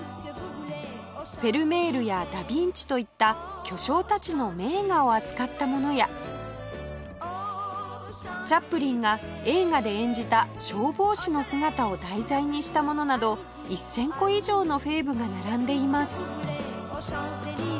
フェルメールやダ・ヴィンチといった巨匠たちの名画を扱ったものやチャップリンが映画で演じた消防士の姿を題材にしたものなど１０００個以上のフェーブが並んでいます